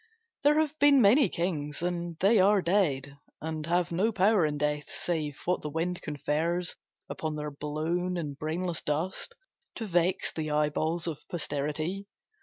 There have been many kings, and they are dead, And have no power in death save what the wind Confers upon their blown and brainless dust To vex the eyeballs of posterity.